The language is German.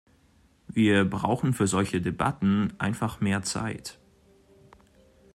Wir brauchen für solche Debatten einfach mehr Zeit.